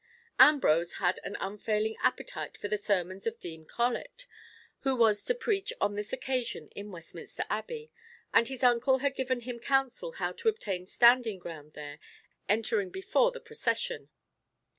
Ambrose had an unfailing appetite for the sermons of Dean Colet, who was to preach on this occasion in Westminster Abbey, and his uncle had given him counsel how to obtain standing ground there, entering before the procession.